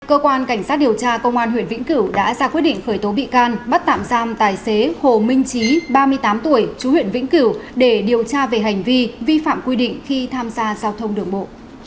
cơ quan cảnh sát điều tra công an huyện vĩnh cửu đã ra quyết định khởi tố bị can bắt tạm giam tài xế hồ minh trí ba mươi tám tuổi chú huyện vĩnh cửu để điều tra về hành vi vi phạm quy định khi tham gia giao thông đường bộ